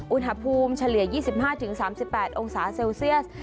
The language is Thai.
อุณหภูมิเฉลี่ย๒๕๓๘องศาเซลเซียส